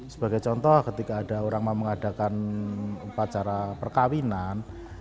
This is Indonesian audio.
sebagai contoh ketika ada orang memadakan pacara perkawinan